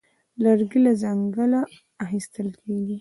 لرګی له ځنګله اخیستل کېږي.